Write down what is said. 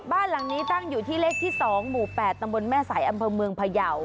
บ้านหลังนี้ตั้งอยู่ที่เลขที่๒หมู่๘ตำบลแม่สายอำเภอเมืองพยาว